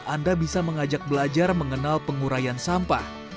anda bisa mengajak belajar mengenal pengurayan sampah